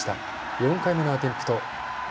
４回目のアテンプト。